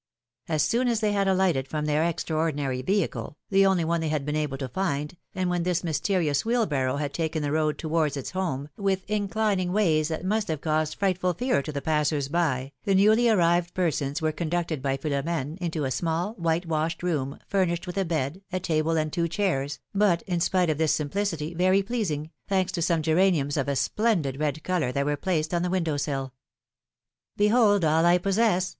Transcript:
As soon as they had alighted from their extraordinary vehicle, the only one they had been able to find, and when this mysterious wheelbarrow had taken the road towards its home, with inclining ways that must have caused fright ful fear to the passers by, the newly arrived persons were conducted by Philom^ne into a small, white washed room, furnished with a bed, a table and two chairs, but, in spite of this simplicity, very pleasing, thanks to some geraniums of a splendid red color that were placed on the window sill. Behold, all I possess